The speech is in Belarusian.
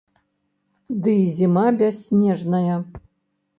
Ды й зіма бясснежная!